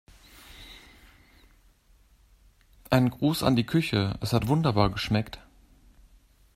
Einen Gruß an die Küche, es hat wunderbar geschmeckt.